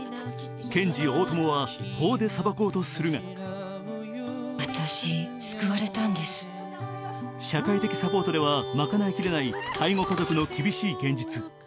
検事・大友は法で裁こうとするが社会的サポートでは賄いきれない介護家族の厳しい現実。